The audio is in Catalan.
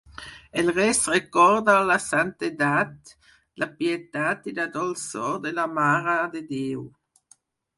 El rés recorda la santedat, la pietat i la dolçor de la Mare de Déu.